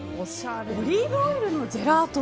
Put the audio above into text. オリーブオイルのジェラート